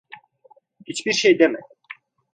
Hiçbir şey deme.